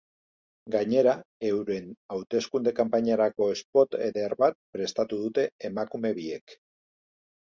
Gainera, euren hauteskunde kanpainarako spot eder bat prestatu dute emakume biek.